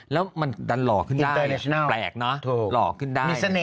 แล้วมันดันหล่อขึ้นได้แปลกเนาะหล่อขึ้นได้